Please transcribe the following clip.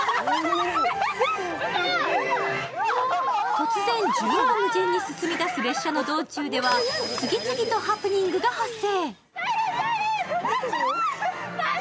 突然、縦横無尽に進みだす列車の道中では次々とハプニングが発生。